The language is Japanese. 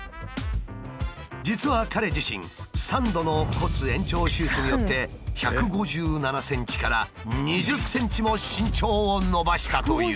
実は彼自身３度の骨延長手術によって１５７ｃｍから２０ｃｍも身長を伸ばしたという。